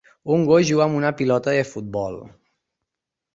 Un gos juga amb una pilota de futbol